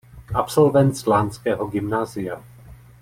Absolvent slánského gymnázia.